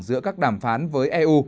giữa các đàm phán với eu